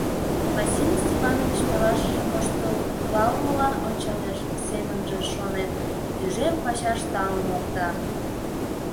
Василий Степанович пелашыжым воштылалмыла ончалеш, семынже, шонем, тӱжем пачаш таум опта.